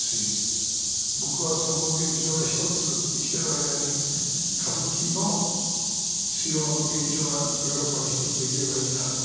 僕はその劇場が１つ生きている間に歌舞伎の主要の劇場がヨーロッパに１つできればいいなと。